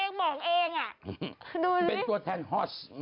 ลีน่าจังลีน่าจังลีน่าจังลีน่าจังลีน่าจัง